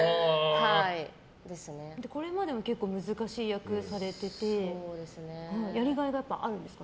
これまでも結構難しい役されててやりがいがあるんですか？